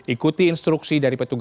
ikuti instruksi dari petugas